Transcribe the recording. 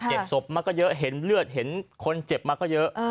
ศพมาก็เยอะเห็นเลือดเห็นคนเจ็บมาก็เยอะ